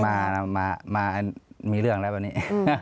มามีเรื่องแล้ววันนี้